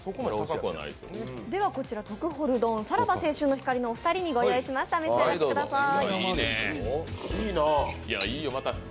では、こちら特ホル丼、さらば青春の光のお二人にご用意しましたので、お召し上がりください。